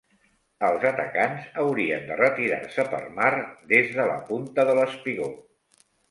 Els atacants haurien de retirar-se per mar des de la punta de l'espigó.